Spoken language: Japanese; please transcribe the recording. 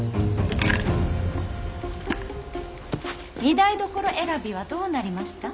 御台所選びはどうなりました。